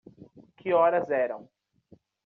Que horas eram?